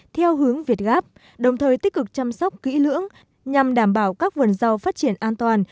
theo hướng việt gáp đồng thời tích cực chăm sóc kỹ lưỡng nhằm đảm bảo các vườn rau phát triển an toàn